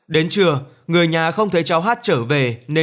đến trưa người nhà không thấy cháu hát trở về nên